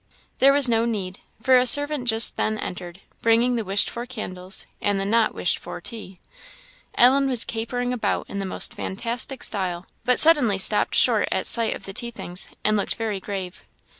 There was no need, for a servant just then entered, bringing the wished for candles, and the not wished for tea. Ellen was capering about in the most fantastic style, but suddenly stopped short at sight of the tea things, and looked very grave.